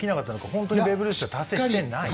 本当にベーブ・ルースは達成してない？